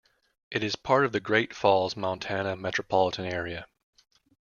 It is part of the Great Falls, Montana metropolitan area.